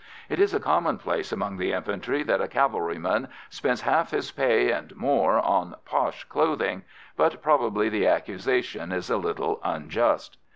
It is a commonplace among the infantry that a cavalryman spends half his pay and more on "posh" clothing, but probably the accusation is a little unjust.